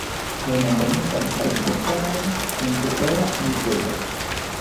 Hejmenveninta li havis postenojn en supera juĝejo.